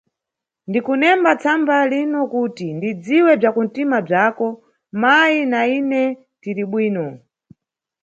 Ndikunemba tsamba lino kuti ndidziwe bzakunʼtima bzako, mayi na ine tiribwino.